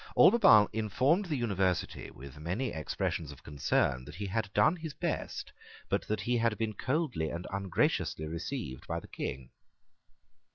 Albemarle informed the University, with many expressions of concern, that he had done his best, but that he had been coldly and ungraciously received by the King.